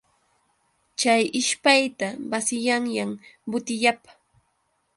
Chay ishpayta basiyayan butillapa.